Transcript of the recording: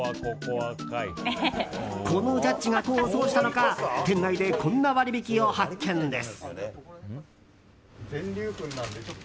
このジャッジが功を奏したのか店内でこんな割引を発見です。